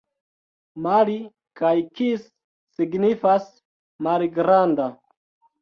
Mali kaj kis signifas: malgranda.